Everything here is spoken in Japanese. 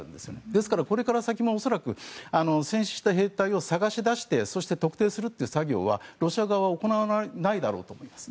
ですからこれから先も恐らく戦死した兵士を探し出して特定する作業はロシア側は行わないだろうと思います。